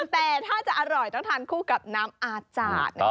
แต่ถ้าจะอร่อยต้องทานคู่กับน้ำอาจารย์